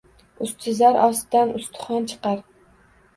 Usti — zar, ostidan ustixon chiqar.